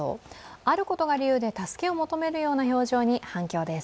あることが理由で助けを求めるような表情に反響です。